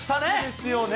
ですよね。